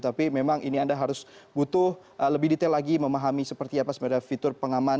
tapi memang ini anda harus butuh lebih detail lagi memahami seperti apa sebenarnya fitur pengaman